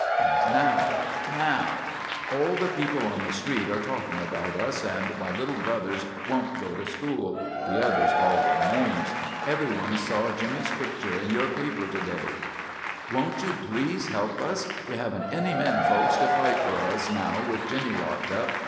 "And now now all the people on the street are talking about us and my little brothers won't go to school the others call them names everyone saw Jimmy's picture in your paper to day "Won't you please help us? We haven't any men folks to fight for us now with Jimmy locked up.